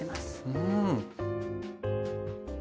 うん。